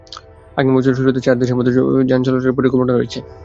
আগামী বছরের শুরুতে চার দেশের মধ্যে যান চলাচল শুরুর পরিকল্পনা রয়েছে।